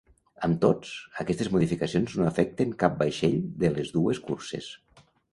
Amb tots, aquestes modificacions no afecten cap vaixell de les dues curses.